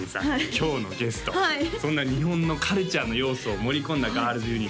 今日のゲストはいそんな日本のカルチャーの要素を盛り込んだガールズユニット